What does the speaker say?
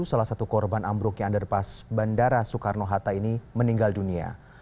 salah satu korban ambruknya underpass bandara soekarno hatta ini meninggal dunia